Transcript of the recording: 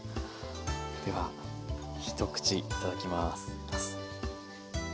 では一口いただきます。